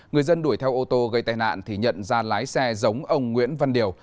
người dân đuổi theo ô tô gây tai nạn thì nhận ra lái xe giống ông nguyễn văn điều